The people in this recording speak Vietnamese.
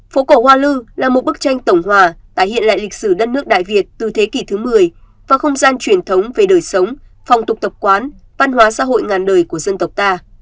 phố cổ hoa lư là một bức tranh tổng hòa tái hiện lại lịch sử đất nước đại việt từ thế kỷ thứ một mươi và không gian truyền thống về đời sống phong tục tập quán văn hóa xã hội ngàn đời của dân tộc ta